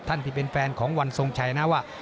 ที่เป็นแฟนของวันทรงชัยนะว่า